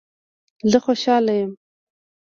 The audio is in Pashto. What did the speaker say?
زه خوشحاله یم